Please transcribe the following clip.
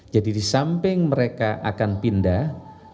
jadi di samping mereka akan pindah